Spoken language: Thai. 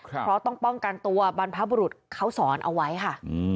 เพราะต้องป้องกันตัวบรรพบุรุษเขาสอนเอาไว้ค่ะ